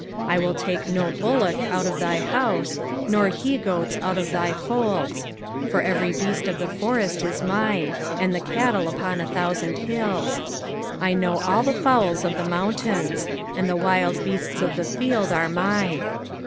9 I will take no bullock out of thy house, nor he goats out of thy folds. 10 For every beast of the forest is mine, and the cattle upon a thousand hills. Ill know all the fowls of the mountains : and the wild beasts of the field are mine.